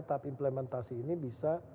tahap implementasi ini bisa